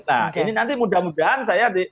nah ini nanti mudah mudahan saya